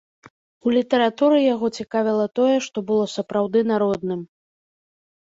У літаратуры яго цікавіла тое, што было сапраўды народным.